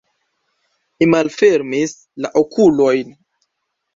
Mi malfermis la okulojn.